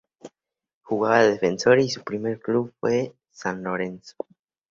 Jugaba de defensor y su primer club fue el San Lorenzo.